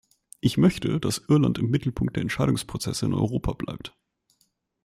Ich möchte, dass Irland im Mittelpunkt der Entscheidungsprozesse in Europa bleibt.